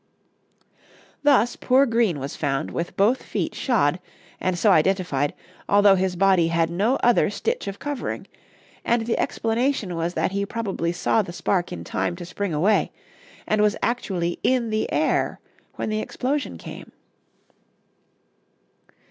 Thus poor Green was found with both feet shod, and so identified, although his body had no other stitch of covering, and the explanation was that he probably saw the spark in time to spring away, and was actually in the air when the explosion came.